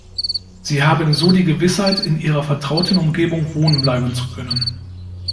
Sie haben so die Gewissheit, in ihrer vertrauten Umgebung wohnen bleiben zu können.